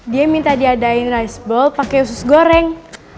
dia minta diadain rice bold pakai usus goreng